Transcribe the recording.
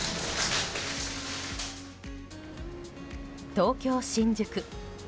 東京・新宿。